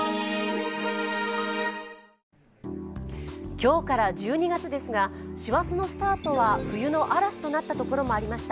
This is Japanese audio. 今日から１２月ですが師走のスタートは冬の嵐となった所もありました。